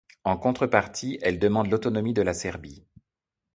En contrepartie, elle demande l'autonomie de la Serbie.